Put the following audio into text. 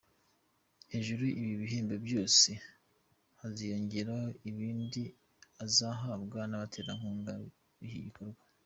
Hejuru y’ibi bihembo byose, haziyongeraho ibindi azahabwa n’abaterankunga b’iki gikorwa.